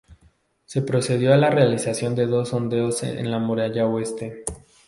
Se procedió a la realización de dos sondeos en la muralla Oeste.